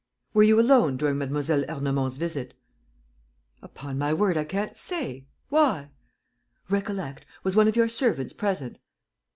"Were you alone during Mlle. Ernemont's visit?" "Upon my word, I can't say. ... Why?" "Recollect. Was one of your servants present?"